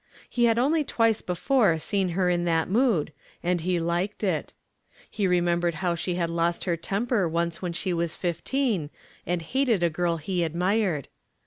He had only twice before seen her in that mood, and he liked it. He remembered how she had lost her temper once when she was fifteen, and hated a girl he admired.